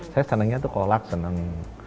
saya senangnya tuh kolak senang